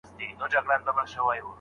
لوی افسر ته یې په سرو سترګو ژړله